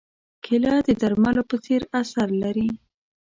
کېله د درملو په څېر اثر لري.